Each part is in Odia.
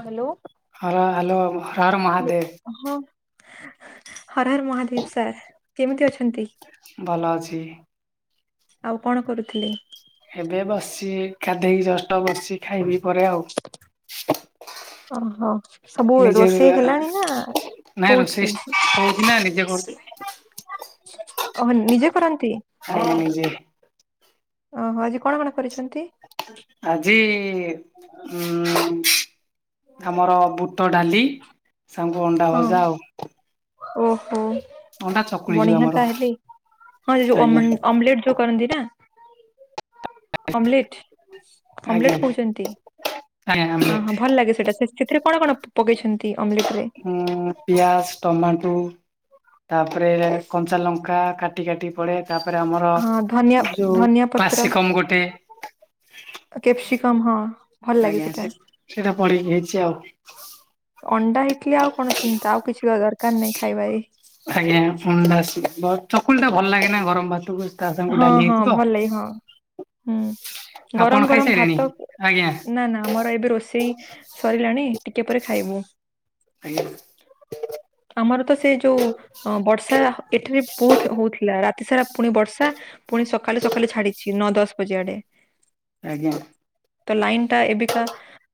Hello. Hello hello Har Har Mahadev. ଓହୋ ହର ହର ମହାଦେବ୍ ସାର୍। କେମିତି ଅଛନ୍ତି? ଭଲ ଅଛି। ଆଉ କଣ କରୁଛ ଏବେ ବସିଛି ଗାଧେଇକି ଜଷ୍ଟ ବସିଛି ଖାଇବି ପରେ ଆଉ। ଓହୋ। ସବୁ ନିଜେ ରୋଷେଇ ହେଲାଣି ନା ନାଇଁ ରୋଷେଇ ହଉଛି। ହଉଛି ନା ନିଜେ କରୁଛି। ଓହ ନିଜେ କରନ୍ତି? ଆଜ୍ଞା ନିଜେ। ଓହୋ ଆଜି କଣ କଣ କରିଛନ୍ତି? ଆଜି ଉଁ ଆମର ବୁଟ ଡାଲି ସାଙ୍ଗକୁ ଅଣ୍ଡା ହଁ ଭଜା ଆଉ। ଓହୋ ଅଣ୍ଡା ଚକୁଳି ଯୋଉ ବଢିଆ ଆମର ତାହେଲେ ହଁ ସେ ଯୋଉ ଆଜ୍ଞା ଅମ ଅମଲେଟ ଟ କରନ୍ତି ନା। ଅମ୍ୱଲିଟ ଆଜ୍ଞା। କମ୍ବଲିଟ କହୁଛନ୍ତି ଆଜ୍ଞା ଆମଲେଟ ସେଥିରେ କଣ କଣ ପକେଇଛନ୍ତି ଅମଲେଟ ରେ? ଉ ପିଆଜ, ଟମାଟୋ ତାପରେ କଞ୍ଚା ଲଙ୍କା କା ଟି କାଟି ପଡେ ତାପରେ ଆମର ହଁ ଧନିଆ ଯୋଉ ଧନିଆ ପତ୍ର କ୍ଲାସିକମ ଗୋଟେ ଆ କେପେପ୍ସି କମ୍ ହଁ। ଭଲ ଲାଗେ ଆଜ୍ଞା ସେଟା। ସେ ସେଇଟା ପଢ଼ିକି ହେଇଛି ଆଉ। ଅଣ୍ଡା ହେଇଥିଲେ ଆଉ କଣ ଚିନ୍ତା ଆଉ କିଛି ଦର ଦରକାର ନାହିଁ ଖାଇବାରେ। ଆଜ୍ଞା ଅଣ୍ଡା ସେ ବ ଚକୁଳିଟା ଭଲ ଲାଗେ ନା ଗରମ ଭାତକୁ। ତା ସାଙ୍ଗକୁ ହଁ ଡାଲି ହଁ ହେଇଥିବ। ଭଲ ଲାଗେ ହଁ। ହୁଁ ଆପଣ ଗରମ ଗରମ ଖାଇସାରିଲେଣି ଭାତକୁ ଆଜ୍ଞା ନା ନା ଆମର ଏବେ ରୋଷେଇ ସରିଲାଣି ଟିକେ ପରେ ଖାଇବୁ। ଖାଇବ ଆମର ତ ସେ ଯୋଉ ବର୍ଷା ଏଠାରେ ବି ବହୁତ ହଉଥିଲା ରାତି ସାରା ପୁଣି ବର୍ଷା ସା ପୁଣି ସକାଳୁ ସକାଳୁ ଛାଡିଛି ନଅ ଦଶ ବଜେ ଆଡେ। ଆଜ୍ଞା। ତ ଲାଇନ ଟା ଏବେକା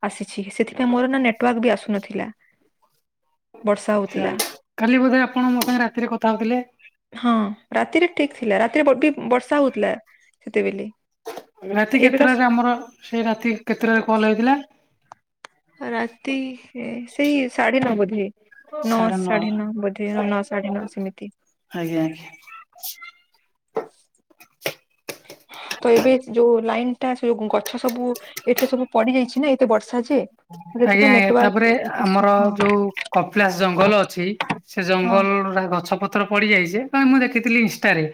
ଆସିଛି ସେଥିପାଇଁ ମୋର ନା ନେଟୱାର୍କ ବି ଆସୁନଥିଲା। ବର୍ଷା ହଉଥିଲା କାଲି ବୋଧେ ଆପଣ ମୋ ସାଙ୍ଗେ ରାତିରେ କଥା ହଉଥିଲେ? ହଁ ରାତିରେ ଠିକ ଥିଲା। ରାତିରେ ବ-ବି ବର୍ଷା ହଉଥିଲା ସେତେବେଲେ। ରାତି କେତେଟାରେ ଆମର ସେ ରାତି କେତେଟାରେ କଲ୍ ହେଇଥିଲା? ରାତି ସେ ସେଇ ସାଢେ ନଅ ବୋଧେ। ନଅ ସାଢ଼େ ନଅ ବୋଧେ ନଅ ସାଢ଼େ ନଅ ସେମିତି। ଆଜ୍ଞା, ଆଜ୍ଞା। ତ ଏବେ ଯୋଉ ଲାଇନ୍ ଟା ସେ ଯୋଉ ଗଛ ସବୁ ଏଠରେ ସବୁ ପଡି ଯାଇଛି ନା ଏ ତେ ବର୍ଷା ଯେ। ଆଜ୍ଞା ଆଜ୍ଞା ତାପରେ ଇସୁ ଆମର ହଁ ଯୋଉ କପିଳାସ ଜଙ୍ଗଲ ଅଛି। ସେ ହଁ ଜଙ୍ଗଲ ଯାହା ଗଛ ପତ୍ର ପଡି ଯାଇଛି ଅଁ, ମୁଁ ଦେଖିଥିଲି ଇନଷ୍ଟାରେ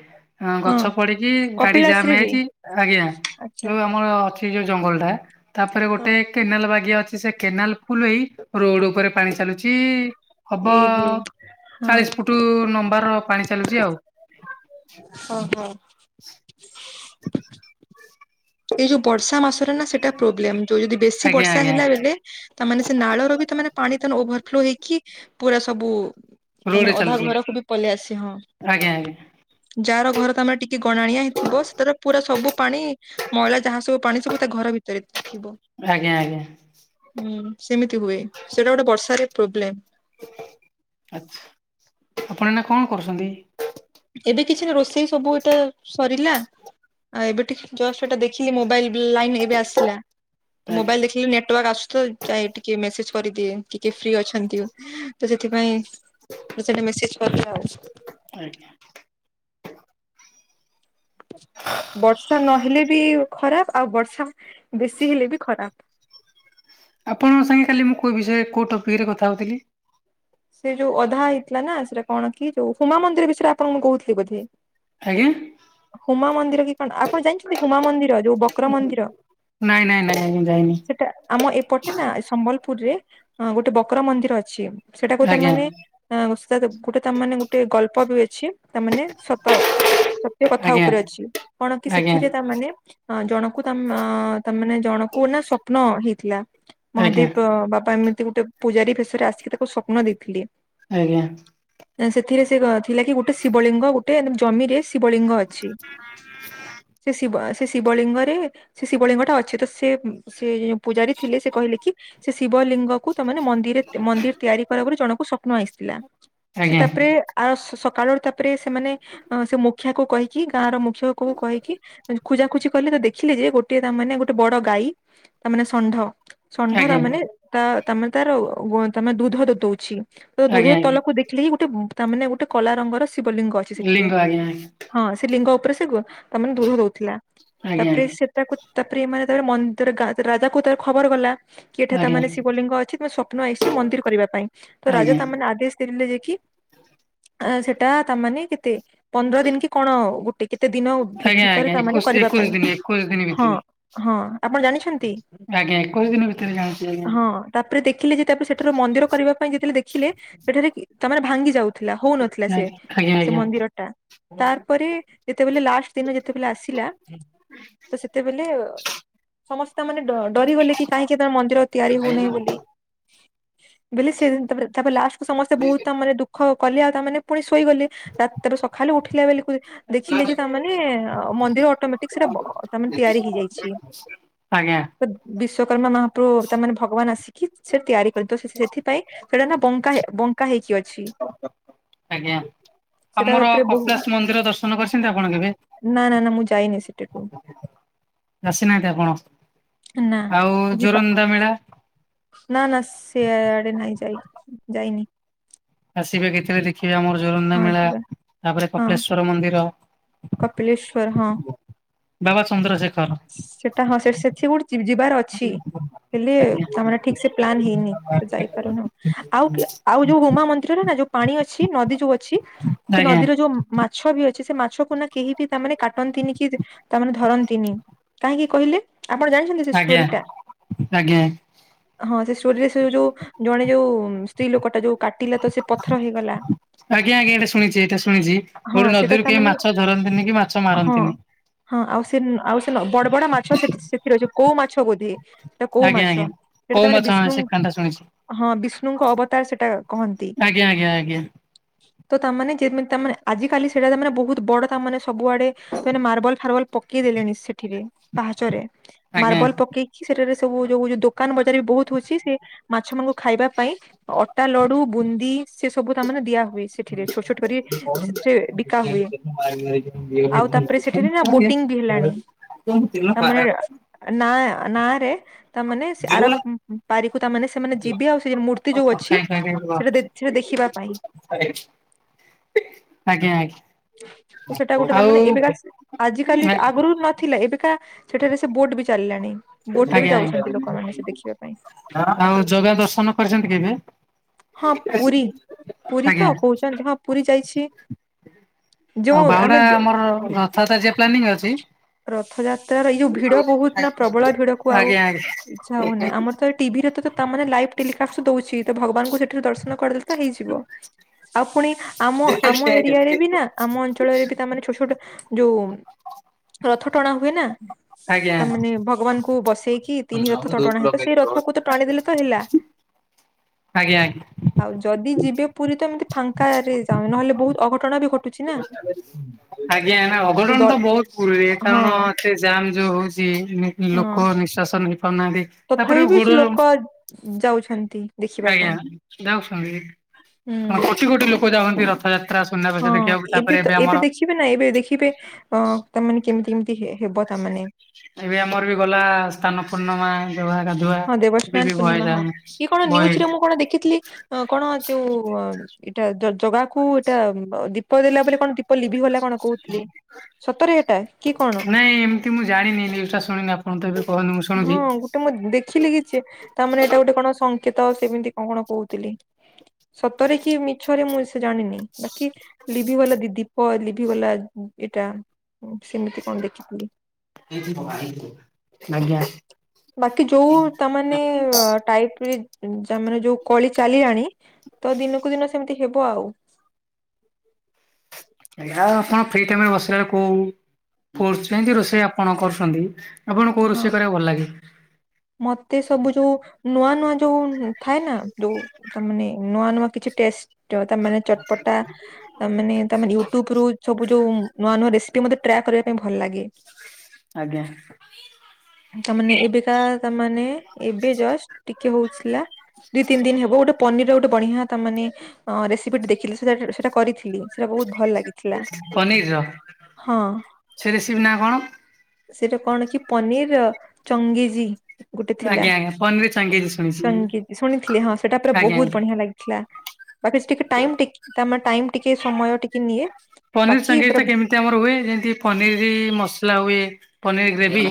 ଅଁ, ଗଛ ହଁ ପଡିଚି ଗାଡି କପିଳାସ ଜାମ୍ ରେ ବି ହେଇଯାଇଚି ଆଜ୍ଞା। ଆଚ୍ଛା। ଯୋଉ ଆମର ଅଛି ଯୋଉ ଜଙ୍ଗଲ ଟା ତାପରେ ହଁ ଗୋଟେ କେନାଲ ବାଗିଆ ଅଛି ସେ କେନାଲ ଫୁଲ୍ ହେଇ ରୋଡ୍ ଉପରେ ପାଣି ଚାଲୁଛି। ହବ ଏହେ ହଁ। ଚାଳିଶ ଫୁଟୁ ନମ୍ବାର ପାଣି ଚାଲୁଚି ଆଉ। ଓହୋ। [inaudible] ଏଇ ଯୋଉ ବର୍ଷା ମାସରେ ନା ସେଟା ପ୍ରୋବ୍ଲେମ୍ ଯୋଉ ଯଦି ବେଶୀ ଆଜ୍ଞା ବର୍ଷା ଆଜ୍ଞା ହେଲା ବେଲେ ତା ମାନେ ସେ ନାଳର ବି ତା ମାନେ ପାଣି ତାନେ ଓଭରଫ୍ଲୋ ହେଇକି ପୁରା ସବୁ ତା ରୋଡରେ ମାନେ ଅଧା ଚାଲୁଛି। ଘରକୁ ବି ପଲେଇ ଆସି ହଁ। ଆଜ୍ଞା ଆଜ୍ଞା ଯାର ଘର ତୋମର ଟିକେ ଗଣାଣିଆ ହେଇଥିବ ସେଥିରେ ପୁରା ସବୁ ପାଣି ମଇଳା ଯାହା ସବୁ ପାଣି ସବୁ ତା ଘର ଭିତରେ ଥିବ। ଆଜ୍ଞା ଆଜ୍ଞା ହୁଁ, ସେମିତି ହୁଏ ସେଇଟା ଗୋଟେ ବର୍ଷାରେ ପ୍ରୋବ୍ଲେମ୍। ଆଚ୍ଛା ଆପଣ ଏଇନା କଣ କରୁଛନ୍ତି? ଏବେ କିଛି ନା ରୋଷେଇ ସବୁ ଏଟା ସରିଲା। ଆଉ ଏବେ ଟିକେ ଜଷ୍ଟ ସେଟା ଦେଖିଲି ମୋବାଇଲ୍ ବି ଲାଇନି ଏବେ ଆସିଲା। ତ ଆଜ୍ଞା ମୋବାଇଲ୍ ଦେଖିଲୁ ନେଟୱାର୍କ ଆସଥୁ ଚାଏ ଟିକେ ମେସେଜ୍ କରିଦିଏ ଟିକେ ଫ୍ରି ଅଛନ୍ତି ତ ସେଥିପାଇଁ ତ ସେଟା ମେସେଜ୍ କଲା ଆଉ। ଆଜ୍ଞା। ବର୍ଷା ନହେଲେ ବି ଖରାପ ଆଉ ବର୍ଷା ବେଶୀ ହେଲେ ବି ଖରାପ। ଆପଣଙ୍କ ସାଙ୍ଗେ କାଲି ମୁଁ କୋଉ ବିଷୟରେ କୋଉ ଟପିକ୍ ରେ କଥା ହଉଥିଲି? ସେ ଯୋଉ ଅଧା ହେଇଥିଲା ନା ସେଇଟା କଣ କି ଯୋଉ ହୁମା ମନ୍ଦିର ବିଷୟରେ ଆପଣଙ୍କୁ ମୁଁ କହୁଥିଲି ବୋଧେ? ଆଜ୍ଞା। ହୁମା ମନ୍ଦିର କି କଣ ଆପଣ ଜାଣିଛନ୍ତି ହୁମା ମନ୍ଦିର ଯୋଉ ବକ୍ର ମନ୍ଦିର? ନାଇଁ ନାଇଁ ନାଇଁ ମୁଁ ଯାଇନି। ସେଟା ଆମ ଏପଟେ ନା ଏ ସମ୍ବଲପୁରରେ ଅଁ, ଗୋଟେ ବକ୍ର ମନ୍ଦିର ଅଛି। ସେଟାକୁ ଆଜ୍ଞା ତାମାନେ ଯାଇନି ଅଁ, ସେ ତ ଗୋଟେ ତାମାନେ ଗୋଟେ ଗଳ୍ପ ବି ଅଛି। ତାମାନେ ସତ ସତ୍ୟ କଥା ଆଜ୍ଞା ଉପରେ ଅଛି କଣ କି ଆଜ୍ଞା ସେଥିରେ ତା ମାନେ ହଁ ଜଣକୁ ତା ଆଁ, ତା ମାନେ ଜଣକୁ ନା ସ୍ଵପ୍ନ ହେଇଥିଲା। ଆଜ୍ଞା ମହାଦେବ ଅ, ବାବା ଏମିତି ଗୋଟେ ପୂଜାରୀ ବେଶରେ ଆସିକି ତାକୁ ସ୍ୱପ୍ନ ଦେଇଥିଲେ। ଆଜ୍ଞା। ଏ ସେଥିରେ ସେ କ-ଥିଲା କି ଗୋଟେ ଶିବଲିଙ୍ଗ ଗୋଟେ [unintelligible] ଜମିରେ ଶିବଲିଙ୍ଗ ଅଛି। ସେ ଶିବ ଆ, ସେ ଶିବଲିଙ୍ଗରେ ସେ ଶିବଲିଙ୍ଗ ଟା ଅଛି ତ ସେ ଉଁ, ସେ ଯୋଉ ପୂଜାରୀ ଥିଲେ ସେ କହିଲେ କି ସେ ଶିବଲିିଙ୍ଗକୁ ତୋମେ ମାନେ ମନ୍ ଦିରେ ତି-ମନ୍ଦିରେ ତିଆରି କର ବୋଲି ଜଣଙ୍କୁ ସ୍ୱପ୍ନ ଆସିଥିଲା। ସେ ଆଜ୍ଞା ତା ପରେ - ସିଏ ଆ, ସ-ସକାଳର ତା ପରେ ସେମାନେ ଅ, ସେ ମୁଖିଆକୁ କହିକି ଗାଁର ମୁଖ୍ୟକକୁ କହିକି ଖୋଜାଖୋଜି କଲେ ତ ଦେଖିଲେ ଯେ ଗୋଟେ ତା ମାନେ ଗୋଟେ ବଡ ଗାଈ ତା ମାନେ ଷଣ୍ଢ। ଆଜ୍ଞା ଷଣ୍ଢ ତା ଆଜ୍ଞା ମାନେ ତା ତା ମାନେ ତାର! ! ଦଉଛି ତ! ଆଜ୍ଞା ! ତଲକୁ ଦେଖି ଆକ୍ଟୁଆଲି ଗୋଟେ ତା ମାନେ ଗୋଟେ କଲା ରଙ୍ଗର ଶିବଲିଙ୍ଗ ଅଛି ସେଠିରେ। ଲିଙ୍ଗ ଆଜ୍ଞା ହଁ ସେ ଲିଙ୍ଗ ଉପରେ ସେ ତା ମାନେ ଦୁଧ ଦଉଥିଲା ଆଜ୍ଞା ତାପରେ ସେ ତା ପରେ ମାନେ ତାର ମନ୍ଦିର ଗ ରାଜା କୁ ତାର ଖବର ଗଲା। କି ଏଠି ତା ଆଜ୍ଞା ମାନେ ଶିବଲିଙ୍ଗ ଅଛି ତମେ ସ୍ୱପ୍ନ ଆସିଛି ମନ୍ଦିର କରିବା ପାଇଁ ତ ରାଜା ଆଜ୍ଞା ତା ମାନେ ଆଦେଶ ଦେଲେ ଯାଇକି ସେଟା ତା ମାନେ କେତେ ପନ୍ଦର ଦିନ କି କଣ ଗୋଟେ କେତେ ଦିନ ଆଜ୍ଞା ଭିତରେ ଆଜ୍ଞା ତା ମାନେ ଏକୋଇଶ କରିବା ଏକୋଇଶ ପାଇଁ ଦିନ ଏକୋଇଶ ଦିନ ହଁ ଭିତରେ ହଁ ଆପଣ ଜାଣିଛନ୍ତି? ଆଜ୍ଞା ଏକୋଇଶ ଦିନ ଭିତରେ ଜାଣିଚି ଆଜ୍ଞା। ତା ପରେ ଦେଖିଲେ ଯେ ତାପରେ ସେଠାରୁ ମନ୍ଦିର କରିବା ପାଇଁ ଯେତେବେଳେ ଦେଖିଲେ ସେଠାରେ ତା ମାନେ ଭାଙ୍ଗି ଯାଉ। ଥିଲା ହଉ ନଥିଲା ସେ ଆଜ୍ଞା ସେ ଆଜ୍ଞା ମନ୍ଦିର ଟା। ତା ପରେ ଯେତେବେଳେ ଲାଷ୍ଟ ଦିନ ଯେତେବେଳେ ଆସିଲା ତ ସେତେବେଳେ ସମସ୍ତେ ତା ମାନେ ଡରିଗଲେ କି କାହିଁକି ତା ମନ୍ଦିର ତିଆରି ହଉନାହିଁ ବୋଲି। ବେଲେ ସେ ତା ପରେ ତା ପରେ ଲାଷ୍ଟକୁ ସମସ୍ତେ ବହୁତ ତା ମାନେ ଦୁ ଖ କଲି ଆଉ ତାମାନେ ପୁଣି ଶୋଇଗଲି ରାତିରେ ସକାଳୁ ଉଠିଲା ବେଲକୁ ଉ ଦେଖିଲେ ଯେ ତାମାନେ ଅ ମନ୍ଦିର ଅଟୋମେଟିକ ସେଟା ଅ ତାମାନେ ତିଆରି ହେଇଯାଇଛି। ଆଜ୍ଞା। ବିଶ୍ଵକର୍ମା ମହାପୂରୁ ତାମାନେ ଭଗବାନ ଆସିକି ସେ ତିଆରି ତ ସେଥିପାଇଁ ସେଇଟା ନା ବଙ୍କା ବଙ୍କା ହେଇକି ଅଛି। ଆଜ୍ଞା ସେଟା ଆମର ଉପରେ ବହୁ କପିଳାସ ମନ୍ଦିର ଦର୍ଶନ କରିଛନ୍ତି ଆପଣ କେବେ? ନା ନା ନା ମୁଁ ଯାଇନି ସେଟି କୁ। ଆସିନାହାନ୍ତି ଆପଣ ନା ଆଉ ଯିବା ଜୋରନ୍ଦା ମେଳା। ନା ନା ସିଆଡେ ନାଇ ଯାଇ ଯାଇନି। ଆସିବେ କେତେଵେଳେ ଦେଖିବେ ଆମର ଜୋରନ୍ଦା ହଁ ମେଳା ଯିବା ତାପରେ କପଳେଶ୍ଵର ମନ୍ଦିର। କପିିଲଳେଶ୍ଵର ହଁ। ବାବା ଚନ୍ଦ୍ରଶେଖର। ସେଟା ହଁ ସେ ସେଥି ଗୁଡ ଯିବା ଯିବାର ଅଛି। ହେଲେ ଆଜ୍ଞା ତାମର ଠିକ ସେ ପ୍ଲାନ ହେଇନି ତ ଯାଇପାରୁନ ଆଉ କି ଆଉ ଯୋଉ ହୁମା ମନ୍ଦିରରେ ନା ଯୋଉ ପାଣି ଅଛି ନଦୀ ଯୋଉ ଅଛି ସେ ଆଜ୍ଞା ନଦୀର ଯୋଉ ମ୍ ମାଛ ବି ଅଛି ସେ ମାଛକୁ ନା କେହି ବି ତାମାନେ କାଟନ୍ତିନି କି ତାମାନେ ଧରନ୍ତିନି। କାହିଁକି କହିଲେ ଆପଣ ଜାଣିଚନ୍ତି ସେ ଆଜ୍ଞା ଷ୍ଟୋରିଟା। ଆଜ୍ଞା ହଁ ସେ ଷ୍ଟୋରିରେ ସେ ଯୋଉ ଜଣେ ଯୋଉ ସ୍ତ୍ରୀ ଲୋକଟା ଯୋଉ କାଟିଲା ତ ସେ ପଥର ହେଇଗଲା। ଆଜ୍ଞା ଆଜ୍ଞା ଏଇଟା ଶୁଣିଚି ଏଇଟା ଶୁଣିଚି ହଁ ଗୋଟେ ସେଟା ନଦୀରୁ ତା କେଇ ମାନେ ମାଛ ଧରନ୍ତିନି କି ମାଛ ହଁ ମାରନ୍ତିନି। ହଁ ଆଉ ସେ ଆଉ ସେ ବଡ ବଡ ମାଛ ସେଠି ସେଥିରେ ଅଛି କୋଉ ମାଛ ବୋଧେ। ସେଟା କୋଉ ଆଜ୍ଞା ମାଛ ଆଜ୍ଞା ସେଟା କୋଉ ତାମାନେ ମାଛ ହଁ ବିଷ୍ଣୁ ସେ କାଣ୍ଡା ଶୁଣିଛି ହଁ ବିଷ୍ଣୁଙ୍କ ଅବତାର ସେଟା କହନ୍ତି। ଆଜ୍ଞା ଆଜ୍ଞ ଆଜ୍ଞା। ତ ତାମାନେ ଯେମି ତାମାନେ ଆଜିକାଲି ସେଇଟା ମାନେ ବହୁତ ବଡ ତାମାନେ ସବୁଆଡେ ସେମାନେ ମାର୍ବଲ ଫାର୍ବଲ ପ କେଇ ଦେଲେଣି ସେଠିରେ ପାହାଚରେ ଆଜ୍ଞା ମାର୍ବଲ ପକେଇ କି ସେଠାରେ ସବୁ ଯୋଉ ଯୋଉ ଦୋକାନ ବଜାର ବି ବହୁତ ହଉଛି ସେ ମାଛ ମାନଙ୍କୁ ଖାଇବା ପାଇଁ ଅଟା, ଲଡୁ, ବୁନ୍ଦି ସେ ସବୁ ତାମାନେ ଦିଆ ହୁଏ। ସେଥିରେ ଛୋଟ ଛୋଟ କରି ସେଥିରେ ବିକା ହୁଏ ଆଉ ତାପରେ ସେଠି ରେ ନା ବୋଟିଂ ବି ହେଲାଣି। ତାମାନେ ନାଁ ନାଁ ରେ ତାମାନେ ସେ ଆର ପାରିକୁ ତାମାନେ ସେମାନେ ଯିବେ ଆଉ ସେ ମୂର୍ତ୍ତି ଯୋଉ ଅଛି ସେଟା ଦେ ସେଟା ଦେଖିବା ପାଇଁ। ଆରେ ଆଜ୍ଞା ଆଜ୍ଞା ସେଟା ଗୋଟେ ତମାନେ ଏବେକା ଆଜିିକାଲି ଆଗରୁ ନଥିଲା ଏବେକା ସେଠାରେ ସେ ବୋଟ ବି ଚାଲିଲାଣି ବୋଟ ରେ ବି ଯାଉଛନ୍ତି ଲୋକମାନେ ସେ ଦେଖିବା ପାଇଁ। ହଁ ଆଉ ଜଗା ଦର୍ଶନ କରିଚନ୍ତି କେବେ? ହଁ ପୁରୀ ପୁରୀ ତ ଆଜ୍ଞା କହୁଚନ୍ତି ହଁ ପୁରୀ ଯାଇଛି। ଯୋଉ ଆଉ ବାହୁଡା ଆମେ ଆମର ରଥଯାତା ଜିଆ ପ୍ଲାନିଂ ଅଛି। ରଥଯାତ୍ରାର ଏଇ ଯୋଉ ଭିଡ ବହୁତ ନାଁ ପ୍ରବଳ ଭିଡ କୁ ଆଉ ଆଜ୍ଞା ଆଜ୍ଞା ଇଚ୍ଛା ହଉନାଇ ଆମର ତ ଏଇଠି ଟିଭିରେ ତ ତାମାନେ ଲାଇଭ ଟେଲିକାଷ୍ଟ ଦଉଚି ତ ଭଗବାନଙ୍କୁ ସେଠାରେ ଦର୍ଶନ କରିଦେଲେ ତ ହେଇଯିବ ଆଉ ପୁଣି ଆମ ଆମ ଏରିଆରେ ବି ନାଁ ଆମ ଅଞ୍ଚଳରେ ବି ତାମାନେ ଛୋଟ ଛୋଟ ଯୋଉଁ ଟଣା ହୁଏ ନାଁ ଆଜ୍ଞା ତାମାନେ ଭଗବାନ କୁ ବସେଇକି ତିନି ରଥ ତ ଟଣା ହେତେ ସେ ରଥକୁ ତ ଟାଣିଦେଲେ ତ ହେଲା। ଆଜ୍ଞା ଆଜ୍ଞା ଆଉ ଯଦି ଯିବେ ପୁରୀ ତ ଏମିତି ଫାଙ୍କାରେ ଯାଅ ନହେଲେ ବହୁତ ଅଘଟଣ ବି ଘଟୁଛି ନା। ଆଜ୍ଞା ଏ ନାଁ ଅଘଟଣ ଦ ତ ବହୁତ ପୁରୀରେ ହଁ କାରଣ ଏତେ ଜାମ ଯୋ ହଉଚି ହଁ ଲୋକ ନିଶ୍ଵାସ ନେଇ ପାରୁନାହାଁନ୍ତି। ତଥାପି ତାପରେ ବି ସେ ଗୋଡର! ଲୋକ ଯାଉଛନ୍ତି ଦେଖିବା ଆଜ୍ଞା, ପାଇଁ ଯାଉଛନ୍ତି? ହୁଁ ହଁ କୋଟି କୋଟି ଲୋକ ଯାଉହନ୍ତି ରଥଯାତ୍ରା ସୁନାବେଶ ହଁ ଦେଖି। ଏବେ ତ ଏବେ ଦେଖିବେ ନାଁ ଏବେ ଦେଖିବେ ଅଁ ତାମାନେ କେମିତି କେମିତି ହେବ ତାମାନେ ଏବେ ଆମର ବି ଗଲା ସ୍ଥାନପୂର୍ଣ୍ଣମା। ହଁ ଦେବସାନ୍ନ ପୂର୍ଣ୍ଣିମା ହଁ ଇଏ କଣ ବହେ ନିୁଉଜ ରେ ମୁଁ କଣ ଦେଖିଥିଲି ହଁ କଣ ଯୋଉ ଇଟା ଜଗାକୁୁ ଇଟା ଦି ପ ଦେଲା ବେଳେ କଣ ଦୀପ ଲିଭିିଗଲା କଣ କହୁଥିଲେ ସତରେ ଏଟା କି କଣ? କି ମୁଁ ଜାଣିନି ନିଉଜ ଟା ଶୁଣିନି ଆପଣ ତ ଏବେ କହିଲେ ମୁଁ ଶୁଣୁଛି ହଁ ଗୋଟେ ମୁଁ ଦେଖିଲି କିଛି ତା ମାନେ ଏଇଟା ଗୋଟେ କଣ ସଂଙ୍କେତ ସେମିତି କଣ କଣ କହୁଥିଲି ସତରେ କି ମିଛରେ ମୁଁ ସେ ଜାଣିନି ବାକି ଲିଭିି ଗଲା ଦିଦି ହଁ ଲିଭିିଗଲା ଏଟା ସିମିତି କଣ ଦେଖିଥିଲି [unintelligible] ଆଜ୍ଞା ବାକି ଯୋଉ ତାମାନେ ଟାଇପରେ ତାମାନେ ଯୋଉ କଳି ଚାଲିଲାଣି ତ ଦିନକୁ ଦିନ ସେମିତି ହେବ ଆଉ ଆଜ୍ଞା ଆପଣ ଫ୍ରୀ ଟାଇମ ରେ ବସିଲା ବେଳକୁ ଫୋରସ କେନ୍ତି ରୋଷେଇ ଆପଣ କରୁଛନ୍ତି। ଆପଣଙ୍କୁ କେଉଁ ହଁ ରୋଷେଇ କରିବାକୁ ଭଲ ଲାଗେ। ମତେ ସବୁ ଯୋଉଁ ନୂଆ ନୂଆ ଯୋଉ ଥାଏ ନା ଯୋଉଁ ତାମାନେ ନୂଆ ନୂଆ କିଛି ଟେଷ୍ଟ ତ ତାମାନେ ଚଟପଟା ତାମାନେ ତାମାନେ ୟୁଟ୍ୟୁବ ରୁ ସବୁ ଯୋଉଁ ନୂଆ ନୂଆ ରେସିପି ମତେ ଟ୍ରାକ୍ କରିବା ପାଇଁ ଭଲ ଲାଗେ ଆଜ୍ଞା ତମାନେ ଏବେକା ତାମାନେ ଏବେ ଜଷ୍ଟ ଟିକେ ହଉଥିଲା। ଦୁଇ ତିନି ଦିନ ହେବ ଗୋଟେ ପନିର ର ଗୋଟେ ବଢିଆ ତା ମାନେ ରେସିପିଟେ ଦେଖିଥିଲି ସେ ସେଟା କରିଥିଲି। ସେଟା ବହୁତ ଭଲ ଲାଗିଥିଲା ପନିର ର ହଁ। ସେ ରେସିପି ନା କଣ? ସେଟା କଣ କି ପନିର ଚଙ୍ଗେଜି ଗୋଟେ ଥିଲା ଆଜ୍ଞା ଆଜ୍ଞା ପନିର ଚାଙ୍ଗେଜି ଶୁଣିଛି ସଙ୍ଗୀତ ଶୁଣିଥିଲି ହଁ ସେଇଟା ପୁରା ଆଜ୍ଞା ବହୁତ ଆଜ୍ଞା। ବଢିଆ ଲାଗିଥିଲା। ବାକି ଟିକେ ଟାଇମ୍ ଟେକିଙ୍ଗ ଟାଇମ ଟିକେ ସମୟ ଟିକେ ନିଏ। ପନିରି ବାକି ପୁରା ସାଙ୍ଗିଆଟା କେମିତି ଆମର ହୁଏ ଯେମତି ପନିରି ମସଲା ହୁଏ, ପନିରି ଗ୍ରେଭି!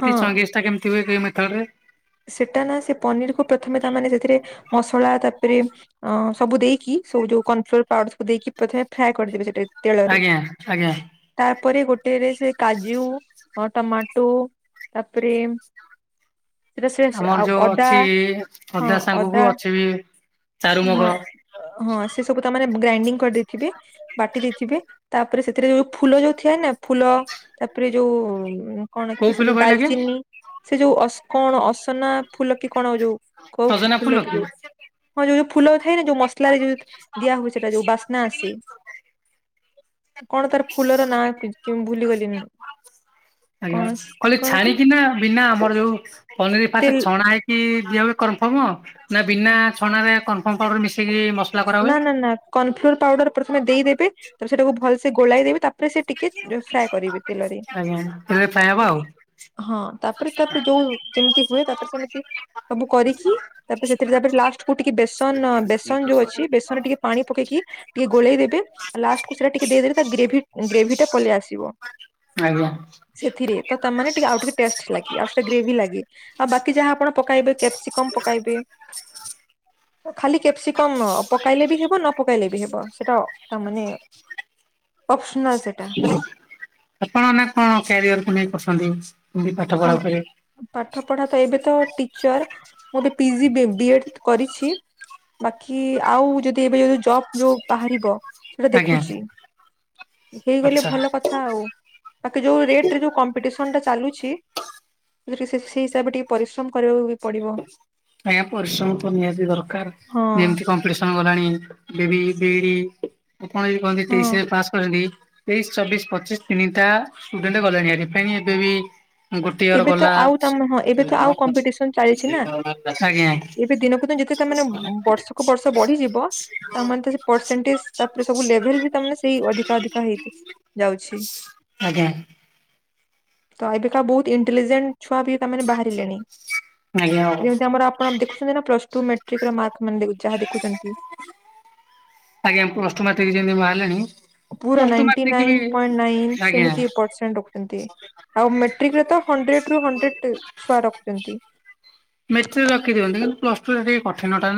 ହଁ ଚଙ୍ଗିସଟା କେମିତି ହୁଏ କେ ମେଥଡ଼ରେ! ସେଟାନା ସେ ପନିରିକୁୁ ପ୍ରଥମେ ତାମାନେ ସେଥିରେ ମସଲା ତାପରେ ଅଁ ସବୁ ଦେଇକି ସବୁ ଯୋଉ କର୍ନଫ୍ଲୋର ପାଉଡର ସବୁ ଦେଇକି ପ୍ରଥମେ ଫ୍ରାଏ କରିଦେବେ ସେଇଟାକୁ! ଆଜ୍ଞା ଆଜ୍ଞା! ତାପରେ ଗୋଟେରେ ସେ କାଜୁ ହଁ ଟମାଟୁ ତାପରେ ରେ ସିଏପ ସେ ଆମର ଆଉ ଯୋଉ ଅଦା ଅଛି ହଁ ସାଙ୍ଗକୁ ଅଦା ଅଛି ବି ଚାରୁମଗ ହଁଏ! ଅ ହଁ ସେ ସବୁ ତାମାନେ ଗ୍ରାଇଡ୍ରିଙ୍ଗୀ କରିଦେଇଥିବେ! ବାଟି ଦେଇଥିବେ ତାପରେ ସେଥିରେ ଯେଉ ଫୁଲ ଯୋଉ ଥିଆନା ଫୁଲ ତାପରେ ଯୋଉ କଣ କି କୋଉ ସେ ଫୁଲ ଯୋଉ କହିଲେ ଆଜ୍ଞା? ଡାଲଚିନି ସେ ଯୋଉ ଅସ କଣ ଅସନା ଫୁଲ କି କଣ ଯୋଉ କଉ ସଜନା ଫୁଲ କି ଫୁଲକୁ? ଯୋଉ ହଁ ଯୋଉ ଯୋଉ ଫୁଲ ଥାଏନା ଯୋଉ ମସଲା ରେ ଯୋଉ ଦିଆ ହୁଏ ସେଟା ଯୋଉ ବାସ୍ନା ଆସେ! କଣ ତାର ଫୁଲର ନାଁ ଙ୍କୁ କ୍ୟୁଉଁ ଭୁଲିଗଲି ମୁଁ! ଆଜ୍ଞା କହିଲେ କି ଛାଣିକିନା ବିନା ଆମର ଯୋଉ ପନିର ଫାଷ୍ଟ ତେଲ ଛଣା ହେଇ କି ଦିଆ ହୁଏ କନଫର୍ମ ନା ବିନା ଛଣାରେ କନଫର୍ମ ପାଉଡର ମିସି ନା ନା ନା କର୍ଣଫ୍ଲୋର ପାଉଡର ପ୍ରଥମେ ଦେଇଦେବେ, ତା ପରେ ସେଟାକୁ ଭଲସେ ଗୋଳାଇ ଦେବେ! ତା ପରେ ସେ ଟିକେ ଜୁସ ଫ୍ରାଏ କରିବେ ତେଲରେ ଆଜ୍ଞା ହେଲେ ପ୍ରାୟ ହବ ଆଉ ହଁ! ତାପରେ ତାପରେ ଯୋଉ ଯେମିତି ହୁଏ, ତାପରେ ସେମିତି ସବୁ କରିକି ତାପରେ ସେଥିରେ ତାପରେ ଲାଷ୍ଟ କୁ ଟିକେ ବେସନ ବେଶ ଯୋଉ ଅଛି, ବେସନରେ ଟିକେ ପାଣି ପକେଇକି? ଟିକେ ଗୋଳେଇଦବେ ଲାଷ୍ଟକୁ ସେଟା ଟିକେ ଦେଇଦେଲେ ତା ଗେଭି ଗ୍ରେଭି ଟା ପଲେଇ ଆସିବ! ଆଇବ୍ରୋ! ସେଥିରେ ତ ତାମାନେ ଟିକେ ଆଉ ଟିକେ ଟେଷ୍ଟ ଲାଗି ଆଉ ସେ ଗ୍ରେଭି ଲାଗି, ଆଉ ବାକି ଯାହା ଆପଣ ପକାଇବେ କ୍ୟାପସିକମ ପକାଇବେ! ହ [unintelligible] ଖାଲି କ୍ୟାପସିକମ ପକାଇଲେ ବି ହେବ ନପକାଇଲେ ବି ହେବ! ସେଟା ତା ମାନେ ଅଫନ୍ସାଯ ଚି ଆପଣ ନା କଣ କ୍ୟାରିଅର କୁ ନେଇ କରୁସନ୍ତି, ଵି ପାଠ କଣ ପଢା ଉପରେ! ପାଠ ପଢାତ ଏବେ ତ ଟିଚର, ମୁଁ ଏବେ ପିଜି ବେ ବିଏଡ କରିଚି! ବାକି ଆଉ ଯଦି ଏବେ ଜବ୍ ଯୋଉ ବାହାରିବ ସେଇଟା ଆଜ୍ଞା ଦେଖୁଚି, ହେଇଗଲେ ଆଚ୍ଛା। ଭଲ କ ଥାଉ, ବାକି ଯୋଉ ରେଟ ରେ ଯୋଉ କମ୍ପିଟେସନଟା ଚାଲୁଛି! ରୋଷେଇ ସରି ସେଇ ହିସାବରେ ଟିକେ ପରିଶ୍ରମ କରିବାକୁଵି ଆଜ୍ଞା ପରିଶ୍ରମ ତ ନିହାତି ଦରକାର, ହଁ ନିମତି କଣ! ପରିଶ୍ରମ ଗଲାଣି ବେବି ଗେଡି ଉତ୍କଳ କଣ ହଁ କହନ୍ତିରି ସେ ପାସ କରନ୍ତି! ତେଇଶି ଚବିଶି ପଚିଶି ତିନିଟା ଷ୍ଟୁଡେଣ୍ଟ ଗଲେଣି ହାରି! ଫେଣି ଏବେ ବି ଗୋଟେ ଇୟର ଏବେ ତ ଗଲା ଆଉ ଟମ ନୁହଁ, ଏବେ ତ ଆଉ କମ୍ପିଟେସନ ଚାଲିଛିନା, ଆଜ୍ଞା ଏବେ ଦିନକୁ ଦିନ ଯେତେ ତାମାନେ ବର୍ଷକୁ ବର୍ଷ ବଢିଯିବ! ତାମାନେ ସେ ପରସେଣ୍ଟେଜ ତାପରେ ସବୁ ଲେଭେଲ ବି ତାମାନେ ସେଇ ଅଧିକା ଅଧିକା ହେଇଥିବ! ଯାଉଛି! ଆଜ୍ଞା! ତ ଏବେକା ବହୁତ ଇଣ୍ଟେଲିଜେଣ୍ଟ ଛୁଆ ବି ତାମାନେ ବାହାରିଲେଣି! ଆଜ୍ଞା ହଉ ଯେମତି ଆମର ଆପଣ ଦେଖୁସନ୍ତି ନା ପ୍ଲସଟୁ ମାଟ୍ରିକ ର ମାର୍କ ମାନେ ଯ ଯାହା ଦେଖୁଚନ୍ତି! ଆଜ୍ଞା ପୋଷ୍ଟ ମାଟ୍ରିକ ଯେବେ ବାହାରିଲାଣି ପୁରା ପ୍ଲସ ଟୁ ନାଇଣ୍ଟି ମାଟ୍ରିକ ବି ନାଇନ ପଏଣ୍ଟ ନାଇମି ଆଜ୍ଞା ସେମିତି ପରସେଣ୍ଟ ରଖୁଚନ୍ତି! ଆଉ ମେଟ୍ରିକ ରେ ତ ହଣ୍ଡ୍ରେଡ ରୁ ହଣ୍ଡ୍ରେଡ ଛୁଆ ରଖୁଛନ୍ତି। ମେଟ୍ରିକ ରଖିଦିଅନ୍ତି କିନ୍ତୁ ପ୍ଲସ ଟୁ ରେ କଠିନଟା ନା।